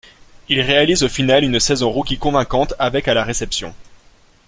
Il réalise au final une saison rookie convaincante avec à la réception.